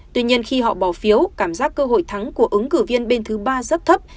tuy nhiên khi họ bỏ phiếu cảm giác cơ hội thắng của ứng cử viên bên thứ ba rất thấp